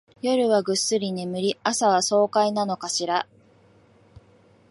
夜はぐっすり眠り、朝は爽快なのかしら